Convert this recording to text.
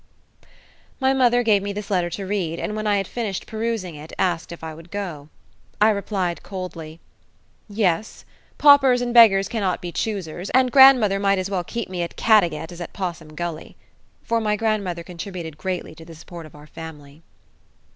My mother gave me this letter to read, and, when I had finished perusing it, asked me would I go. I replied coldly: "Yes. Paupers and beggars cannot be choosers, and grandmother might as well keep me at Caddagat as at Possum Gully" for my grandmother contributed greatly to the support of our family.